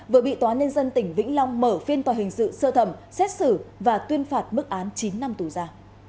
vừa bị tòa nhân dân tỉnh vĩnh long mở phiên tòa hình sự sơ thẩm xét xử và tuyên phạt mức án chín năm tù ra